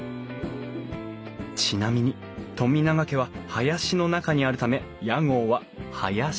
ちなみに富永家は林の中にあるため屋号は「林」といいます